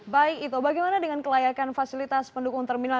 baik ito bagaimana dengan kelayakan fasilitas pendukung terminal